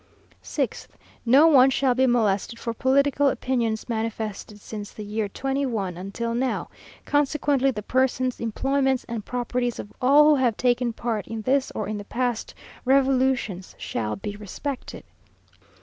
6th. "No one shall be molested for political opinions manifested since the year '21 until now: consequently the persons, employments and properties of all who have taken part in this or in the past revolutions shall be respected.